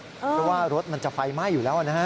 เพราะว่ารถมันจะไฟไหม้อยู่แล้วนะฮะ